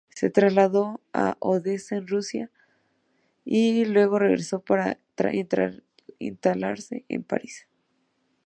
Se trasladó a Odessa, en Rusia, y luego regresó para instalarse en París.